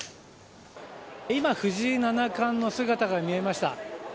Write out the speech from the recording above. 今、藤井七冠の姿が見えました。